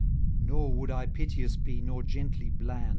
^ Nor would I piteous be, nor gently bland.